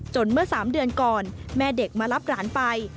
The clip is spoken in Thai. เมื่อ๓เดือนก่อนแม่เด็กมารับหลานไป